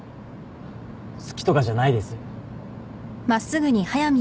好きとかじゃないです。